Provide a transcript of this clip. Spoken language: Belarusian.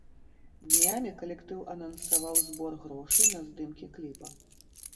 Днямі калектыў анансаваў збор грошай на здымкі кліпа.